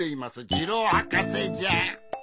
ジローはかせじゃ。